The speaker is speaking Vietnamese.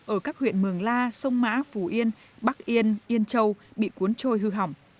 ở các huyện mường la sông mã phù yên bắc yên yên châu bị cuốn trôi hư hỏng